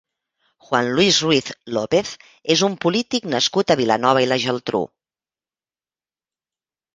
Juan Luis Ruiz López és un polític nascut a Vilanova i la Geltrú.